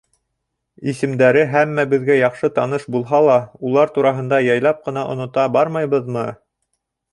Исемдәре һәммәбеҙгә яҡшы таныш булһа ла, улар тураһында яйлап ҡына онота бармайбыҙмы?